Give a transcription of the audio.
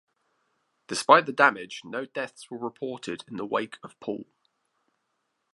Despite the damage, no deaths were reported in the wake of Paul.